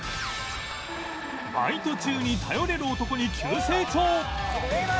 バイト中に頼れる男に急成長！